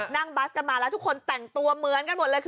บัสกันมาแล้วทุกคนแต่งตัวเหมือนกันหมดเลยค่ะ